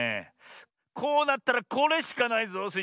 こうなったらこれしかないぞスイ